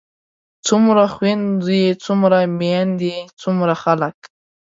څومره خويندے څومره ميايندے څومره خلک